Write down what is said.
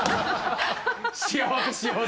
幸せ幸せ。